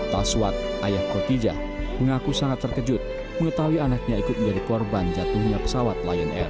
taswad ayah kotijah mengaku sangat terkejut mengetahui anaknya ikut menjadi korban jatuhnya pesawat lion air